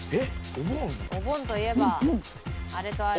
お盆といえばあれとあれ。